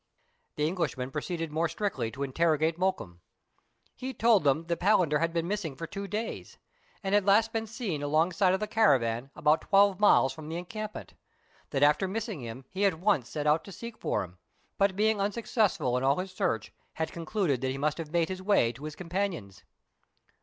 The Englishmen proceeded more strictly to interrogate Mokoum. He told them that Palander had been missing for two days, and had last been seen alongside of the cara van about twelve miles from the encampment ; that after missing him, he at once set out to seek for him, but being unsuccessful in all his search, had concluded that he must have made his way to his companions.